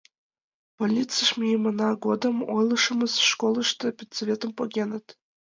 — Больницыш мийымына годым ойлышымыс, школышто педсоветым погеныт.